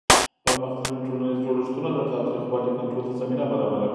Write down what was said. پرمختللي ټولنیز جوړښتونه د تاوتریخوالي کنټرول ته زمینه برابره کړه.